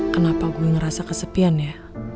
kenapa gue ngerasa kesepian ya